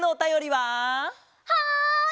はい！